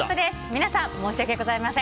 皆さん、申し訳ございません。